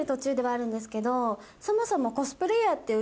そもそも。